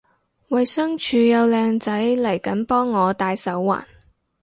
衛生署有靚仔嚟緊幫我戴手環